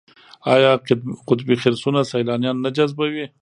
آیا قطبي خرسونه سیلانیان نه جذبوي؟